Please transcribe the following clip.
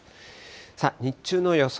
さあ、日中の予想